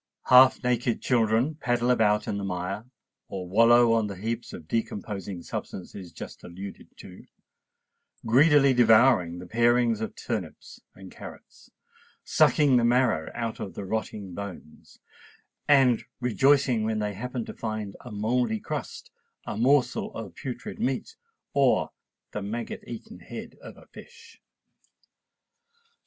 Half naked children paddle about in the mire or wallow on the heaps of decomposing substances just alluded to,—greedily devouring the parings of turnips and carrots, sucking the marrow out of the rotting bones, and rejoicing when they happen to find a mouldy crust, a morsel of putrid meat, or the maggot eaten head of a fish.